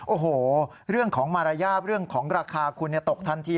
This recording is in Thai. โอ้โหเรื่องของมารยาทเรื่องของราคาคุณตกทันที